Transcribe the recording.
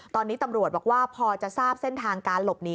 ตอนนี้ตำรวจบอกว่าพอจะทราบเส้นทางการหลบหนี